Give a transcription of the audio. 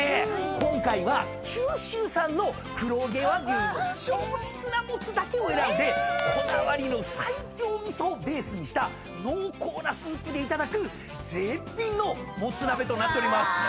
今回は九州産の黒毛和牛の上質なもつだけを選んでこだわりの西京味噌をベースにした濃厚なスープでいただく絶品のもつ鍋となっております。